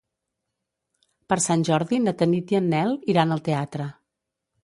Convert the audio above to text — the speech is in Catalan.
Per Sant Jordi na Tanit i en Nel iran al teatre.